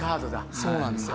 そうなんですよ。